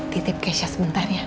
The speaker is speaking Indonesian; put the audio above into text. titip keisha sebentar ya